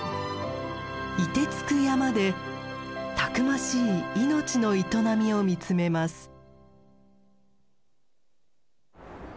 いてつく山でたくましい命の営みを見つめます。